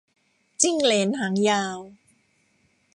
จิ้งเหลนหางยาว